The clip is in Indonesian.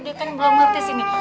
dia kan belum ngerti sini